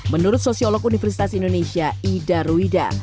menurut sosiolog universitas indonesia ida ruida